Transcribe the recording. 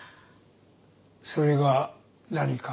それが何か？